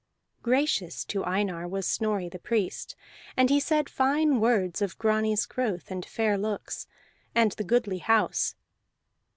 Gracious to Einar was Snorri the Priest, and he said fine words of Grani's growth and fair looks, and the goodly house.